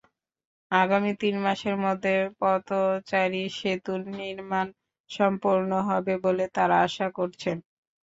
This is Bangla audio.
আগামী তিন মাসের মধ্যে পদচারী-সেতুর নির্মাণ সম্পন্ন হবে বলে তাঁরা আশা করছেন।